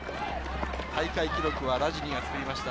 大会記録はラジニが作りました。